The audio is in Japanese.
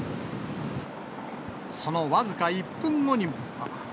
その僅か１分後にも。